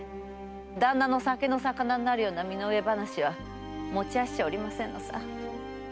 旦那の酒の肴になる身の上話は持ち合わせちゃおりませんのさ。